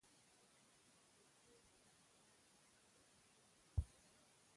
ځنډيخيل دوچ غړک سره خواکی دي